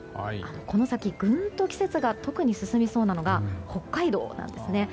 この先、ぐんと季節が特に進みそうなのが北海道なんですね。